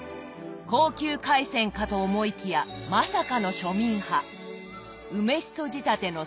高級海鮮かと思いきやまさかの庶民派。